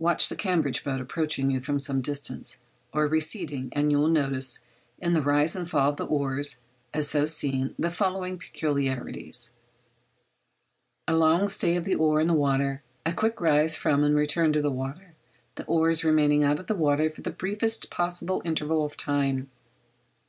Watch the Cambridge boat approaching you from some distance, or receding, and you will notice in the rise and fall of the oars, as so seen, the following peculiarities—a long stay of the oar in the water, a quick rise from and return to the water, the oars remaining out of the water for the briefest possible interval of time.